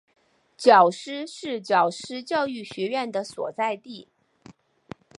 皎施是皎施教育学院的所在地。